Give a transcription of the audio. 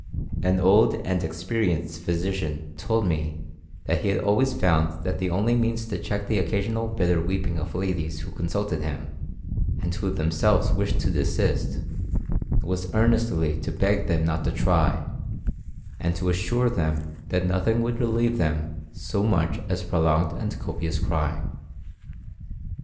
An old and experienced physician told me that he had always found that the only means to check the occasional bitter weeping of ladies who consulted him, and who themselves wished to desist, was earnestly to beg them not to try, and to assure them that nothing would relieve them so much as prolonged and copious crying.